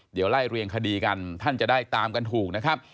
เดี๋ยวไล่เรียงคดีกันท่านจะได้ตามกันถูกนะครับ